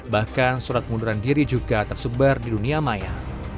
bahkan surat pengunduran diri juga tersebar di dunia maya